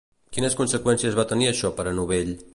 Quines conseqüències va tenir això per a Novell?